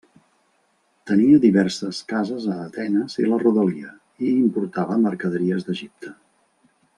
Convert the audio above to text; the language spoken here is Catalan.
Tenia diverses cases a Atenes i la rodalia, i importava mercaderies d'Egipte.